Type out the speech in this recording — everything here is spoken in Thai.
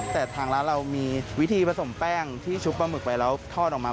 แต่ทางร้านเรามีวิธีผสมแป้งที่ชุบปลาหมึกไปแล้วทอดออกมา